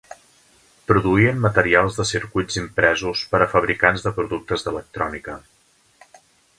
Produïen materials de circuits impresos per a fabricants de productes d'electrònica.